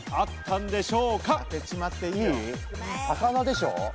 魚でしょ？